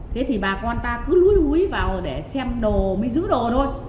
thế thì bà con ta cứ lúi lúi vào để xem đồ mới giữ đồ thôi